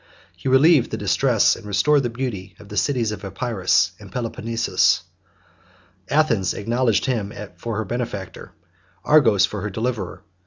He relieved the distress, and restored the beauty, of the cities of Epirus and Peloponnesus. 78 Athens acknowledged him for her benefactor; Argos, for her deliverer.